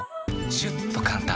シュッと簡単！